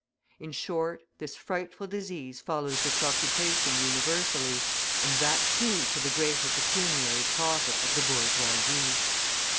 In short, this frightful disease follows this occupation universally: and that, too, to the greater pecuniary profit of the bourgeoisie!